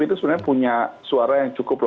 itu sebenarnya punya suara yang cukup